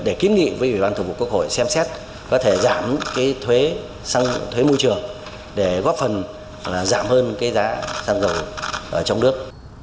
để kiếm nghị với ủy ban thủ phục quốc hội xem xét có thể giảm cái thuế môi trường để góp phần giảm hơn cái giá xăng dầu ở trong nước